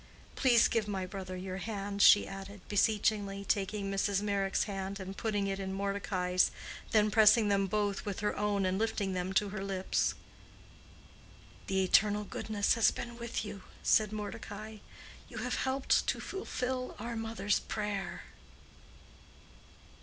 Please give my brother your hand," she added, beseechingly, taking Mrs. Meyrick's hand and putting it in Mordecai's, then pressing them both with her own and lifting them to her lips. "The Eternal Goodness has been with you," said Mordecai. "You have helped to fulfill our mother's prayer."